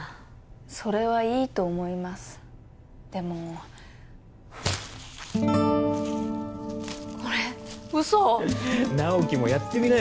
それはいいと思いますでもこれ嘘直木もやってみなよ